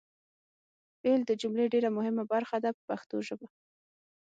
فعل د جملې ډېره مهمه برخه ده په پښتو ژبه.